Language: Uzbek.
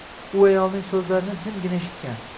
U ayolning soʻzlarini jimgina eshitgan.